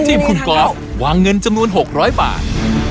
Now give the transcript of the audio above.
ทีมคุณกอล์ฟวางเงินจำนวน๖๐๐บาท